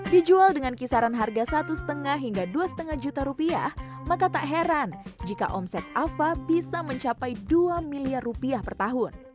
dijual dengan kisaran harga satu lima hingga dua lima juta rupiah maka tak heran jika omset afa bisa mencapai dua miliar rupiah per tahun